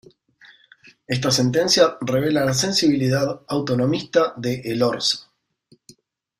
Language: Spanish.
Esta sentencia revela la sensibilidad autonomista de Elorza.